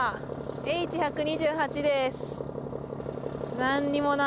Ｈ１２８です。